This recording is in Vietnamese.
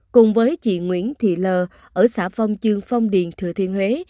cùng với chị nguyễn thị l ở xã phong chương phong điền thừa thiên huế